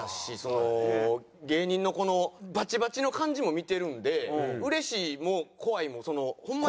芸人のこのバチバチの感じも見てるんでうれしいも怖いもその。